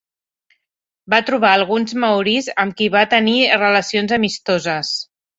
Va trobar alguns maoris amb qui va tenir relacions amistoses.